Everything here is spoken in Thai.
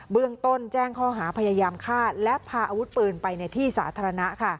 เบื้องต้นแจ้งข้อหาพยายามฆ่าและพาอาวุธปืนไปในที่สาธารณะ